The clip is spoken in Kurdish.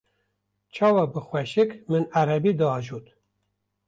çawa bi xweşik min erebe diajot.